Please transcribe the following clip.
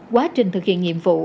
quá trình thực hiện nhiệm vụ